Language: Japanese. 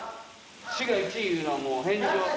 滋賀１位いうのはもう返上。